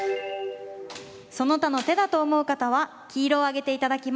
その他の手だと思う方は黄色を上げていただきます。